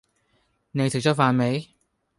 你食咗飯未